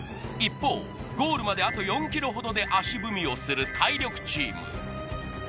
一方ゴールまであと４ｋｍほどで足踏みをする体力チームＯＫ！